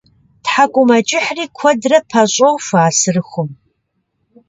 Тхьэкӏумэкӏыхьри куэдрэ пэщӏохуэ а сырыхум.